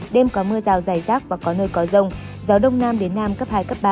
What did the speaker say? đêm có mưa rào dài rác và có nơi có rông gió đông nam đến nam cấp hai cấp ba